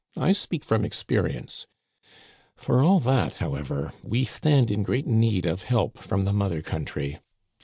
I speak from experience. For all that, however, we stand in great need of help from the mother country.